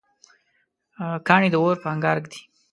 کاڼی د اور په انګار ږدي.